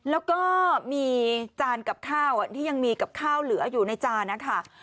แล้วก็มีจานกับข้าวที่ยังมีกับข้าวเหลืออยู่ในจานนะคะ